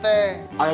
ayah lu salah yuk